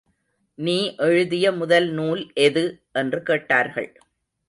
நீ எழுதிய முதல் நூல் எது? —என்று கேட்டார்கள்.